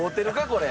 これ。